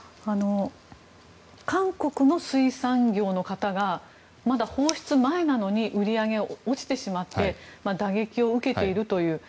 韓国の水産業の方がまだ放出前なのに売り上げが落ちてしまって打撃を受けているという。